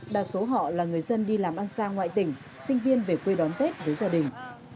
đa số họ là người dân đi làm ăn xa ngoại tỉnh sinh viên về quê đón tết với gia đình